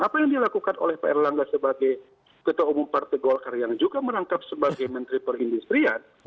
apa yang dilakukan oleh pak erlangga sebagai ketua umum partai golkar yang juga merangkap sebagai menteri perindustrian